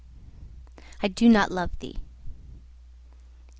I do not love thee!